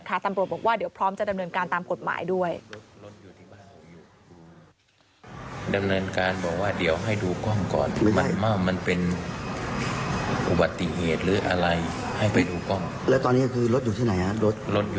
ตำรวจบอกว่าเดี๋ยวพร้อมจะดำเนินการตามกฎหมายด้วย